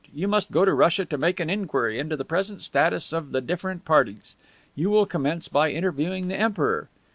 You must go to Russia to make an inquiry into the present status of the different parties. You will commence by interviewing the Emperor.